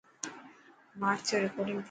ماٺ ٿيو رڪارڊنگ ٿي پئي.